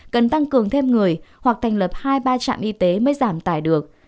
cần tăng cường thêm người hoặc thành lập hai ba trạm y tế mới giảm tải được